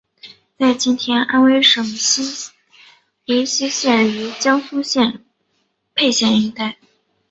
在今天安微省睢溪县与江苏省沛县一带。